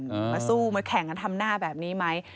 มาสู้มาแข่งกันทำหน้าแบบนี้ไหม